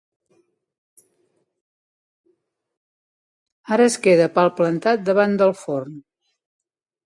Ara es queda palplantat davant del forn.